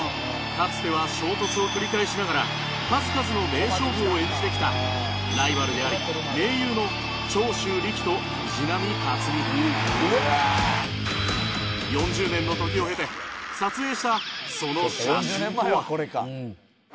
かつては衝突を繰り返しながら数々の名勝負を演じてきたライバルであり盟友の長州力と藤波辰爾４０年の時を経て撮影したその写真とは？